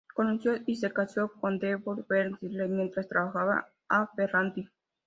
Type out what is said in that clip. Conoció y se casó con Conway Berners-Lee mientras trabajaba a Ferranti.